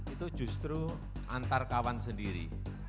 itu justru antar kawan sendiri